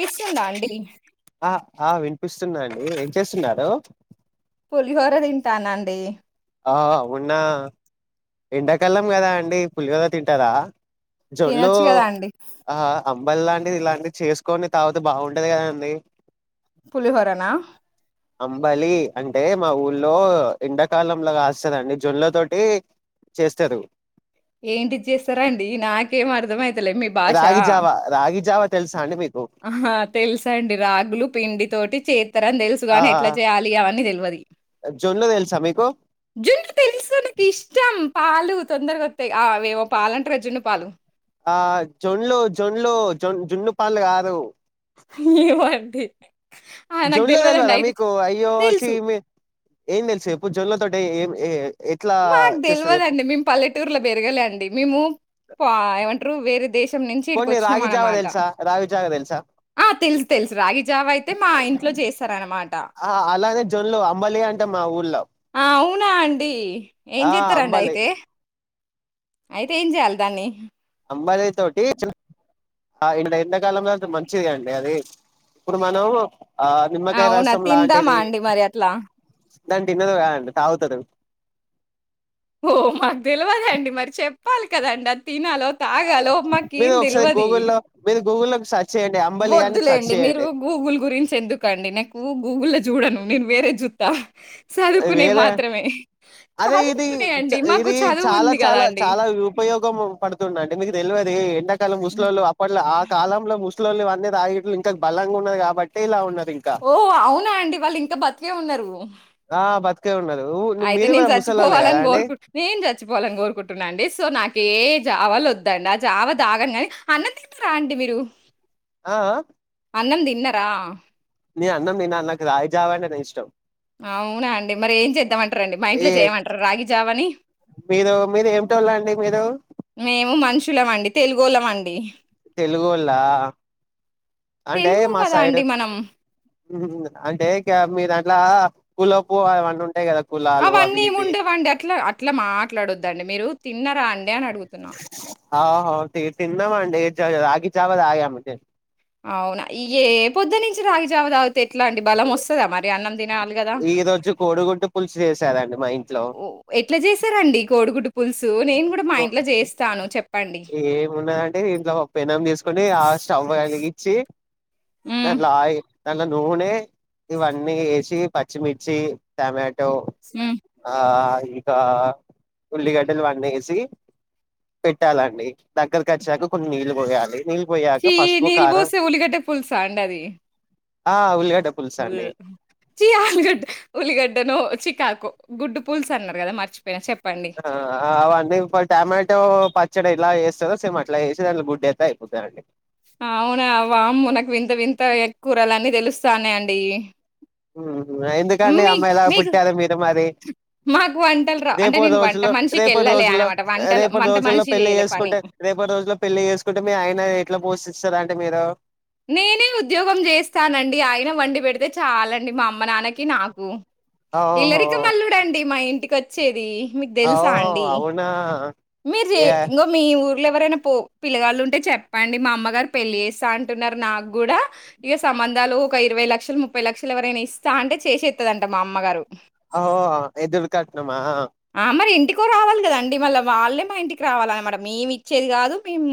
పిస్తుందా అండి ఆ ఆ వినిపిస్తుంది అండి ఏం చేస్తున్నారు పులిహోర తింటున్న అండి ఆ అవున ఎండాకాలం కదా అండి పులిహోర తింటార జోడ్లో తినొచ్చు కదా అండి అంబలి లాంటిది ఇలాంటివి చేసుకొని తాగితే బాగుంటది కదా అండి పులిహోరనా అంబలి అంటే మా ఊర్లో ఎండాకాలం లాగా ఆస్తందిండి జొన్ల తోటి చేస్తారు ఏంటి చేస్తారాండి నాకేం అర్ధమవుతలే మీ భాష రాగి జావా రాగి జావా తెలుసా అండి మీక్ అహా తెలుసండి రాగులు పిండి తోటి చేస్తారని తెలుసు గానీ ఎలా చేయాలి అని తెలు పది జున్ను తెలుసా మీకు జున్ను తెలుసు నాకు ఇష్టం పాలు తొందరగా వస్తాయి ఆవేవో పాలు అంటారు కదా జున్ను పాలు ఆ జొన్లు, జొన్లు జొ జొన్ను పళు కారు [unintelligible] ఏమండి జొన్లో తెలివదా, మీకు అయ్యో చ్చి తెలుసు మీ ఏం తెలుసు ఇప్పుడు జొన్లో. తడే ఏ ఏ మాకు తెలివదండి. మేము పల్లెటూరులో పెరగాలే అండి. మేము పా ఏమంట రు వేరె దేశ నుంచి ఇడికి పోనీ వచ్చినాం రాగి జావ అనమాట. తెలుసా రాగి జావ తెలుసా ఆ తెలుసు తెలుసు రాగిజావ అయితే మా ఇంట్లో చేస్తార అనమాట. ఆ అలానే జొన్లు అంబలి అంటే మా ఊర్లో ఆ అవునా అండి ఏం ఆ చెతారండి అంబలి అయితే అయితే ఏం చేయాలి దాన్ని. అంబలి తోటి చిన్న ఎండకాలంలో మంచిది అండి. అది ఇప్పుడు మనం ఆ నిమ్మకాయ అవునా రసం తిందామా అండి మరి అట్లా ద తిన్నది కాదండి, తాగుతుంది. ఓ మాకు తెలివద అండి. మరి చెప్పాలి కదండి, అది తినాలో తాగాలో మాకెంది తెల్వది. గోల వద్దులేండి. మీరు గూగుల్ గురించి ఎందుకుండి. నాకు గూగుల్ లో చూడను నేను వేరే జు త వేరే అదే ఇది చదువుకునేయండి. మాకు ఇది చదువు చాలా ఉంది చాలా గదండీ! చాలా ఉపయోగం పడుతుందిండి. మీకు తెల్వే ఎం హ్మ్. ముస్లింలు అప్పట్లో ఆ కాలంలో ముం ఇంట్లో వాళ్ళు తాగిట్లు ఇం బలంగా ఉన్నది కాబట్టి ఇలా ఉన్నది. ఇంకా ఓ అవునా అండి వాళ్ళు ఇంకా బతికే ఉన్నారు. ఆ బతుకే ఉన్నాది. అయితే నేను చచ్చిపోవాలని కోరుకుంట, నేను చచ్చిపోవాలని కోరుకుంటున్నాండి. సో నాకు ఏ జావల వద్దు. ఇండి ఆ చావ తాగ కానీ, అన్నం తింటారా అండి మీరు అ ఆ అన్నం తిన్నరా నే అన్నం తిన నాకు రాగి జావా అంటేనే ఇష్టం. అవునా అండి మరి ఏం చేద్దామంటారండి. మా ఇంట్లో ఏ చేయమంటార రాగిజావని. మీరు మీరు ఏమిటోళ్ళు అండి మీరు మేము మనుషులమండి తెలుగొల్లమండి. డి తెలుగొల్లా అంటే తెలుగు మా గదా సైడు అండి మనం. అంటే మీరు ఇట్లా పూల ప అవన్నీ ఉంటాయి కదా. కులాలు అవి అవన్నీమి ఇవి ఉండవండి. అట్లా అట్లా మాట్లాడద్దండి మీరు తిన్నరా అండి. అని అడుగుతున్నా. [unintelligible] ఆహో ఒకే తిన్నామండి రాగి జవా తాగామండి అవునా ఇగ ఏ పొద్దు నుంచి రాగిజావ తాగితే ఎట్ల అండి బలం వస్తదా మరి అన్నం తి నాలి కదా కోడుగుడ్డు పులుసు చేసాదండి ఒ ఎట్ల చేసారండి కో కోడుగుడ్డు పుల్సు నేన్గూడా మా ఇంట్లో చేస్తాను చెప్ ఏమున్నదంటే ఇంట్ల ఒక పెనం తీసుకొని ఆ స్టవ్ ఎలిగిచ్చి హ్మ్. దాంట్లో ఆయిల్ దాంట్లో నూనె ఇవన్నీ యేసి పచ్చిమిర్చి టమా టో హ్మ్. ఆ ఇంకా ఉల్లిగడ్డలు అన్నేసి పె ట్టాలడి దగ్గరికచ్చాక కొన్ని నీళ్ళు పోయాలి నీళ్ చీ నీల్బోసే ఉల్లిగడ్డ పుల్సా అండి అది ఆ ఉల్లిగ చీ ఆలుగడ్డ ఉల్లిగడ్డనో చికాకు గుడ్డు పుల్సన్నరు కదా మర్చిపోయిన చెప్ప ఆ అవన్ని ఇ [inaudible] టమాటో పచ్చడై ఎలా చేస్తదో సేమ్ అట్ల చేసి దాంట్లో గుడ్డేత్తే అయిపోతాదండి అవునా వామ్మో నాకు వింత వింత ఎక్కురాలన్నీ తెలుస్తాన్నాయండి ఉమ్ ఉమ్ ఎందుకండి మీ అమ్మాయిలా మీకు పుట్టారు మీరు మరి మాకు వంటలు రావు. అంటే రేపు నేను వంట రోజుల్లో రేపటి మనిషికెళ్ళలే రోజుల్లో అనమాట. వంటలు రేపటి వంట రోజుల్లో మనిషి పెళ్లి జేయలే పని. చేసుకుంటే రేపటి రోజుల్లో పెళ్లి చేసుకుంటే మీ ఆయన ఎట్లా పోషిస్తరం ట్టిమీద నేనే ఉద్యోగం చేస్తానండి ఆయన వండి పెడితే చాలండి మా అమ్మ నాన్నకి నాకు ఓహో ఇల్లరికమల్లుడుండి మా ఇంటి కొచ్చేది అ ఓ అవునా మీరు చే ఏ ఇంగ మీ ఊర్లో ఎవరైనా పో పిల్లగాళ్ళు ఉంటే చెప్పండి మా అమ్మగారు పెళ్లి చేస్తా అంటున్నారు నాక్గూడా ఇక సంబంధాలు ఒక ఇరవై లక్షలు ముప్పై లక్షలు ఎవరైనా ఇస్తా అంటే చేషేత్తదంట మా అమ్మగారు హో ఎదురు కట్నం ఆ మరి ఇంటికి కో రావాలి కదండి మళ్ళా వాళ్ళే మా ఇంటికి రావాలన్నమాట మేమిచ్చేది కాదు మేమ్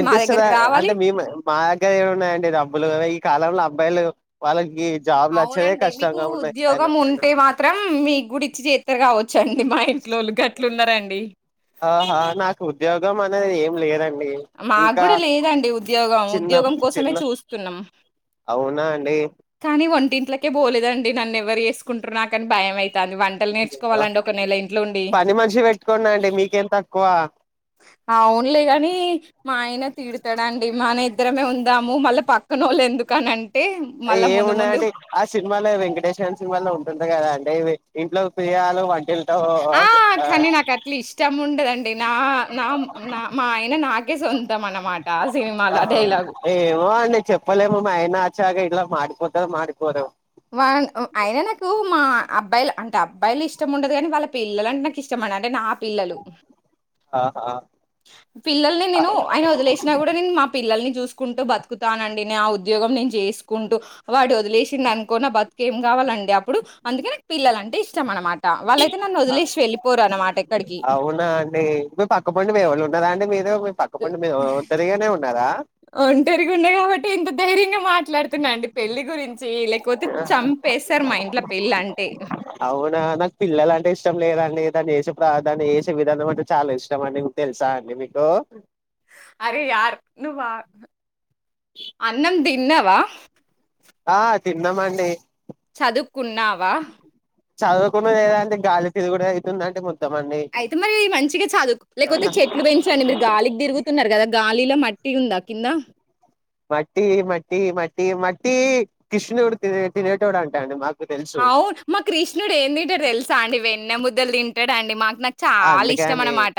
ఎంతిస్తదా అంటే మీమా మా దగ్గర ఏమున్నాయండి డబ్బులు కాలంలో అబ్బాయిలు వాళ్ళకి జాబ్లు వచ్చేదే అవునండి మీకు కష్టంగా ఉన్నాయి ఆయన ఉద్యోగం ఉంటే మాత్రం మీగూడిచ్చి చేత్తరు కావచ్చు ఆహా నాకు ఉద్యోగమనే ఏం లేద మాకు కూడా లేదండి ఉద్యోగం చిన్న ఉద్యోగం కోసమే చిన్న చూస్తున్నాం అవునా అండి కానీ వంటి [unintelligible] పోలేదండి నన్ను ఎవరు చేసుకుంటారు నాకు అని భయం అయింది దని వంటలు నేర్చుకోవాలండి ఒక నెల ఇంట్లో ఉండి పని మనిషి పెట్టుకోండి అండి మీకేం తక్కువ అవును లే గానీ మా ఆయన తీడతాడాండి మాన ఇద్దరమే ఉందాము మళ్ళీ పక్కన వాళ్ళు ఎందుకన అవి ఏమున్నాయంటే ఆ సినిమాలో వెంకటేశ్ గాని సినిమాల్లో ఉంటుంది కదా అం అంటే ఇంట్లో ప్రియురాలు వం ఆ కానీ నాకు అట్లా ఇష్టం ఉండదండి నా నా నా మా ఆయన నా కి సొంతమన మాట ఆ ఏమో అండి చెప్పలేము మా ఆయనాచ్చాగా ఇలా మారిపోతో మారిపోరో వా అయినా నాకు మా అబ్బాయిలు అంటే అబ్బాయిలు ఇష్టం ఉండదు కానీ వాళ్ళ పిల్లలు అంటే నాకు ఇష్టం అంటే నా పిల్లలు ఆహా పిల్లల్ని నేను ఆయన వదిలేసినా కూడా నేను మా పిల్లల్ని చూసి కుంటూ బతుకుతానండి నా ఉద్యోగం నేను చేసుకుంటూ వాడు వదిలేసిండు అను కో నా బతుకేం కావాలండి అప్పుడు అందుకే నాకు పిల్లల అంటే ఇష్టం అనమా ఎక్కడికి. అవునా అండి ఇ పక్కపండి మీ వాళ్లు ఉండరా అండి మీ మీపక్క పండి మీ ఒంటరిగానే ఉ ఒంటరిగున్న కాబట్టి ఇంత ధైర్యంగా మాట్లాడుతున్నాండి పెళ్లి గురించి లేకపోతే చంపేస్తారు మా ఇంట్లో పెళ్ళి అంటే అవునా నాకు పిల్లలు అంటే ఇష్టం లేదండి దాన్ని చేసే ప్ర దాన్ని వేసే విధానం అంటే చాలా ఇష్టం అండి తెలుసా అండి మీకు అరే యార్ నువ్వా అన్నం ది తిన్నావా ఆ తిన్నమండి చదువుకున్నావా చదువుకున్న లేదాంటే గాలి తీరుగుడె అవుతుందింటే అయితే మరి మంచిగా చదువు, లేకపోతే చెట్లు పెంచండి మీరు గాలికి తిరుగుతున్నారు కదా గాలిలో మ మట్టి ఉందా కింద మట్టి మట్టి మట్టి మట్టి కిష్ణూడు త తినేటోడు అంటాండి మాకు తెలుసు అవును మా కృష్ణుడు ఏందింటడు తెలుసా అండి వెన్నెము లిమిటెడ్ అండి మాకు నాకు చాలా ఇష్టం అన్నమాట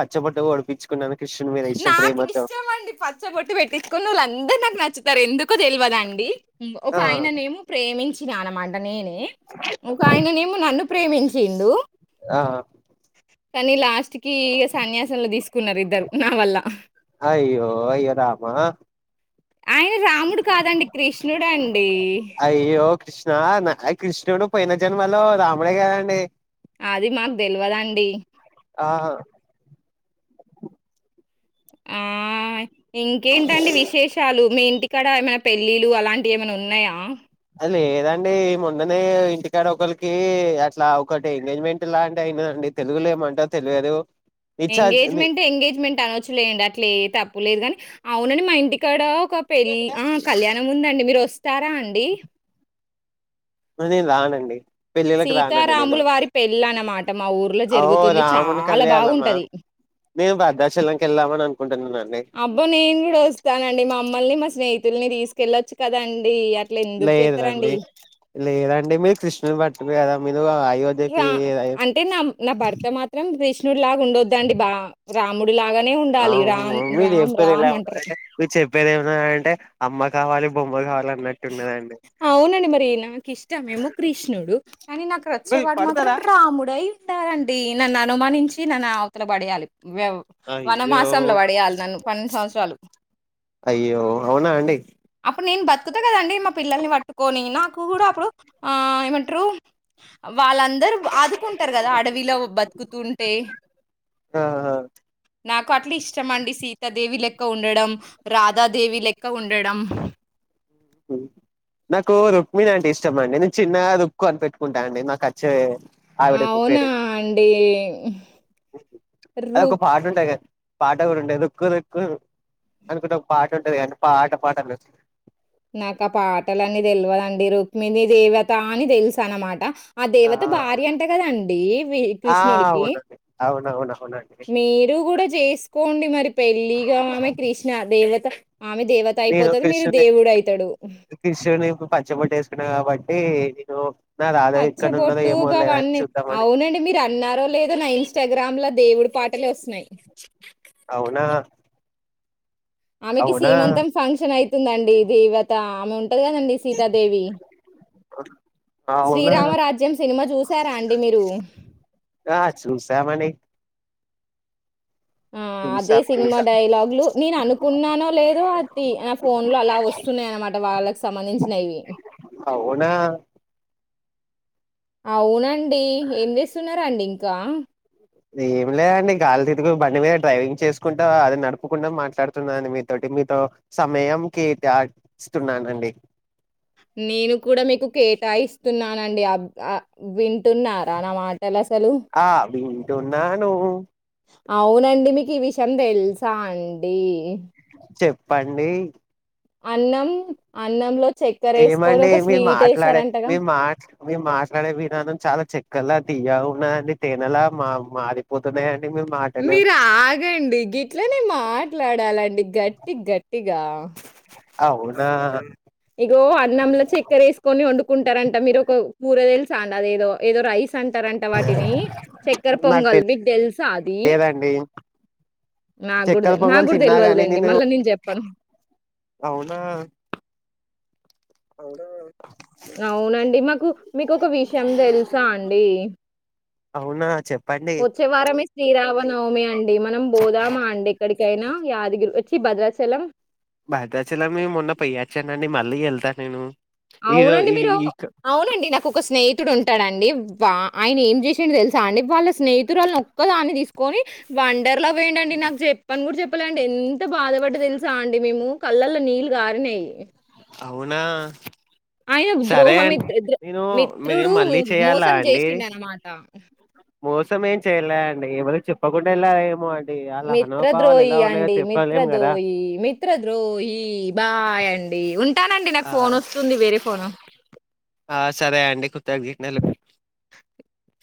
పచ్చ బోట్లు పొడిపించుకున్నాను కృష్ణుని మీద ఇష్టం నాకు ప్రేమతో ఇష్టమండి పచ్చ బాటు పెట్టించకొనిళ్ళ అందరు నాకు నచ్చుతారు ఎందుకో తెలివదా అండి ఒక ఆ ఆయననేమో ప్రేమించు ్ానమాండనేనే ఒకక ఆయననేమో నన్ను ప్రేమించిండు ఆ కానీ లాస్ట్ కి ఇ సన్యాసంంలో తీసుకున్నారు ఇది అయ్యో అయ్య రామా ఆయన రాముడు కాదండి కృష్ణుడు అండి అయ్యో కృష్ణ కృష్ణుడు పోయిన జన్మలో రాముడే గదండి అది మాకు తెల్వదండి ఆ ఆ ఇంకేంటండి విశేషాలు మీ ఇంటికాడ ఏమైనా పెళ్ళిలు అలాంటివి ఏమైనా ఉన్నాయా లేదండి మొన్ననే ఇంటికాడ ఒకరికి అట్లా ఒకటి ఎంగేజ్మెంట్ లాంటి అయినదండి తెలుగులో ఏమంటారు తెలియదు నిశ్చ ని ఎంగేజ్మెంటట్ ఎంగేజ్మెంట్ అనవచ్చులేండి అట్లే ఏ తప్పు లేదు కానీ అవును అండి మా ఇంటికాడ ఒక పెళ్ళి ఆ కళ్యాణం ఉందండి మీరు వస్తారా అండి నేను రాను అండి పెళ్ళిలకు రానండి నేను సీతారాముల వారి పెళ్ళనమాట మా ఊర్లో ఓ జరుగుతుంది. రాముని చాలా కళయాలమ్మా బాగుంటది. మేము భద్రాచలంకి వెళ్ళామని అనుకు ఉంట అబ్బో నేను కూడా వస్తానండి మా మమ్మల్ని మా స్నేహి ిల్ని తీసుకెళ్లచ్చు కద అండి లేదండి లేదండి మీరు కృష్ణుని పట్టుకుదా అంటే నా నా భర్త మాత్రం కృష్ణ కృష్ణుడు లాగా ఉండొద్దండి బా రాముడు ఇప్పుడులాగానే ఉండాలి రామ్ రామ్ రామ్ అంటారు పేరు ఏమన్నాయ అంటే అమ్మ కావాలి బొమ్మ కావాలి అన్నట్టు ఉన్నదండి అవునండి మరి నాకు ఇష్టమ ఏమో కృష్ణుడు కానీ నాకు వీళ్ళు రచ్చేవాడు మాత్రం పడతారా రాముడ అయి అంటారండి నన్ను అనుమానించి నన్ను అవతల పడేయాలి అయ్యో వనమాసంలో వడేయాలి నన్ను పన్నెండు సంవత్సరాలు అయ్యో అవునా అండి అప్పుడు నేను బ కుత కదండి మా పిల్లల్ని పట్టుకొని నాకు కూడా అప్పుడు ఆ ఏమంటారు వాళ్ళందరూ ఆదుకుంటారు కదా అడవిలో బతుకుతుంటే ఆహా నాకు అట్లా ఇష్టం అండి సీతాదేవిల క్క ఉండడం రాధాదేవి లెక్క ఉండడం నాకు రుక్మిణి అంటే ఇష్టం అండి నేను చిన్నగా రుక్కు అని పెట్టుకుంటాను అండి నాకు వచ్చే ఆవిడ అవునా పేరు అండి అది రు ఒక పాట ఉంటా పాట కూడా ఉంటంది రుక్కు రుక్కు అనుకుంట ఒక పా ఉంటంది కానీ పాట పాట నాకు ఆ పాటలన్నీ తెల్వదండి రుక్మిణి దేవతాని తెలుసా అన్నమాట ఆ దేవత భార్య అంట కదండి వి కృష్ణుడికి అవును మీరు కూడా చేసుకోండి మరి పెళ్లిగా ఆమె కృష్ణ దేవత ఆమె దేవత నేను అయిపోతది. మీరు కృష్ణున్ని దేవుడయితడు. కృష్ణుని పచ్చ బొట్టు వేసుకున్నా కాబట్టి ఇదో పచ్చబొట్టుగావన్ని చూద్దామని అవునండి మీరు అన్నారో లేదో నైస్ ఇన్స్టాగ్రామ్ లో దేవుడి పాటలే వస్తున్నాయి అవునా ఆమెకి అవునా సీమంతం ఫంక్షన్ అయితుందండి దేవత అమౌం [unintelligible] సీతాదేవి, అవునా శ్రీరామరాజ్యం సినిమా జూసారా అండి మీరు. ఆ చూసామని ఆ అదే చూసాం సినిమా చూసాం డైలాగు్లు నేను అనుకున్నానో లేదో, అది ఆ ఫోన్ లో అలా వస్సున్నాయ్ అన్నమాట వాళ్ళకి సంబంధించినవి. అవునా అవునం డి ఏం చేస్సున్నారండి ఇం కా ఏమి లేదండి. గాలి తిరుగు బండి మీద డ్రైవింగ్ చేసుకుంటా, అది నడుపుకుంటా మాట్లాడుతున్నాని మీతోటి మీతో సమయం కేటాయి స్తున్నానండి. నేను కూడా మీకు కేటాయిస్తున్నానండి అబ్ ఆ విం టున్నారా నా మాటలు అసలు ఉన్నాను అవునండి మీకు ఈ విషయం తెలుసా అండి చెప్పండి అన్నం అన్నంలో చక్కెరేసుకొని ఏమండి ఒక మీ మాట్లాడే స్వీటేసారంటగా? మీ మాట్ మేము మాట్లాడే విధానం చాలా చెక్కల తియగావున్నా అండి, తేనెలా మా మారిపోతున్నాయండి. మీ మాటలు మీరు ఆగండి గిట్లనే మాట్లాడాలండి గట్టి గట్టిగా అవునా ఇగో అన్నంల చక్కెర వేసుకొని వండుకుంటారంట మీరు ఒక కూర తెలుసి తాండ అదేదో ఏదో ఏదో రైస్ అంటారంట వాటిని చక్కర పొంగల్ మీకు తెలుసా లేదండి నాగుడిదే నా కూడా తెలవదులేండి మళ్ళా నేను చెప్పాను అవునా అవునండి మాకు మీకు ఒక విషయం తెలుసా అండి అవునా చెప్పండి వచ్చే వారమే శ్రీరామనవమి అండి మనం బోదామా అండి ఏక్కడికైనా యాదగిరి చి భద్రాచలం భద్రాచలమే మొన్న పోయ్యచ్చానండి మళ్ళీ వెళ్తా నేను ఈరో అవునండి ఈ మీరు ఈ అవునండి నాకు ఒక స్నేహితుడు ఉంటాడండి వా ఆయన ఏం చేసిండో తెలుసా అండి వాళ్ళ స్నేహితురాలినీ ఒక్క దాన్ని తీసుకొని వన్ వండర్లా వోయిండు అండి నాకు చెప్పను కూడా చెప్ప ప్పాలే అండి ఎంత బాధపడ్డ తెలుసా అండి మేము కళ్ళల్లో నీళ్లు గారినయి అవునా ఆయన సరే అండి ద్రోహమిత్ర ద నేను మీరు మిత్రుడు మళ్ళీ చేయాలా మోసం అండి చేసిండు అనమాట మోసం ఏం చెయలే అండి ఏవరు చెప్పకుండా ఎలా ఏమో అ అండి వాళ్ళ హానుభావాలు మిత్రద్రోహి అండి కదా మిత్రదోయి మిత్రద్రోహి బాయ్ అండి ఉంటానండి నాకు ఆ ఫోన్ వస్తుంది వేరే ఫోను ద గిన్నెలు [inaudible]